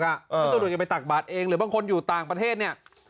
แล้วตำรวจจะไปตักบาทเองหรือบางคนอยู่ต่างประเทศเนี่ย